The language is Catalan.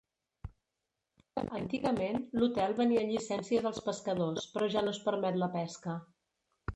Antigament l'hotel venia llicències als pescadors però ja no es permet la pesca.